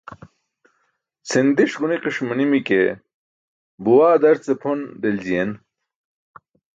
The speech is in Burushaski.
Cʰindiṣ ġunikiṣ manimi ke buwaa darcee pʰon deljiyen.